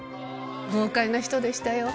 豪快な人でしたよ